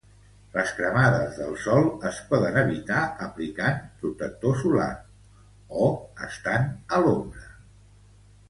Les cremades del sol es poden evitar aplicant protector solar o estant a l'ombra.